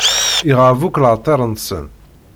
Iɣab akk later-nsent.